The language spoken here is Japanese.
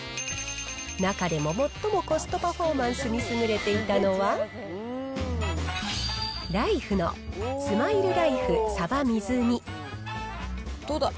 中でも、最もコストパフォーマンスに優れていたのは、ライフのスマイルラどうだ。